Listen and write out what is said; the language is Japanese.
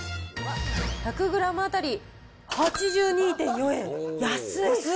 １００グラム当たり８２．４円、安い。